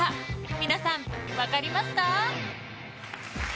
皆さん分かりますか？